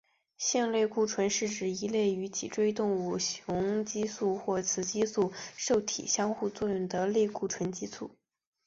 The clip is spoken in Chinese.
性类固醇是指一类与脊椎动物雄激素或雌激素受体相互作用的类固醇激素。